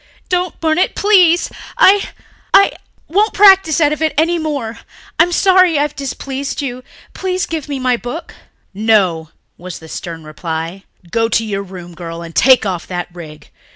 "Don't burn it, please. I ... I ... won't practise out of it any more. I'm sorry I've displeased you. Please give me my book." "No," was the stern reply. "Go to your room, girl, and take off that rig.